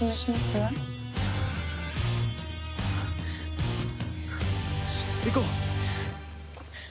よし行こう。